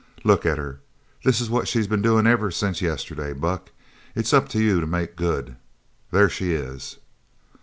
"Look at her! This is what she's been doin' ever since yesterday. Buck, it's up to you to make good. There she is!"